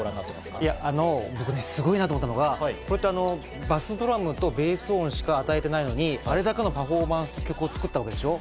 僕すごいと思ったのが、バスドラムとベース音しか与えてないのに、あれだけのパフォーマンスで曲を作ったわけでしょ。